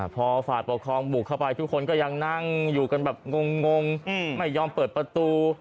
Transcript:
พอฝ่ายปกครองบุกเข้าไปทุกคนก็ยังนั่งอยู่กันแบบงงไม่ยอมเปิดประตู